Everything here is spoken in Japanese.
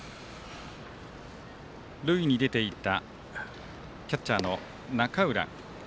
塁に出ていたキャッチャーの中浦。